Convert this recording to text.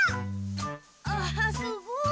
あすごい！